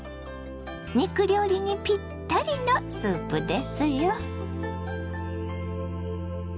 肉料理にぴったりのスープですよ。